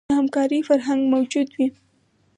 د همکارۍ فرهنګ موجود وي.